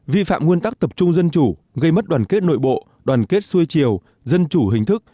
vi phạm nguyên tắc tập trung dân chủ gây mất đoàn kết nội bộ đoàn kết xuôi chiều dân chủ hình thức